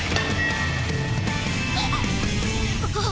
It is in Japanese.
あっ！